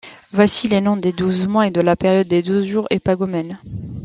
Voici les noms des douze mois et de la période des jours épagomènes.